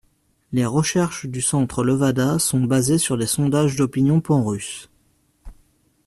Les recherches du Centre Levada sont basées sur des sondages d'opinion panrusses.